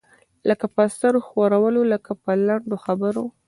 لکه په سر ښورولو، لکه په لنډو خبرو.